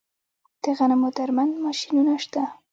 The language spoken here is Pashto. د غنمو درمند ماشینونه شته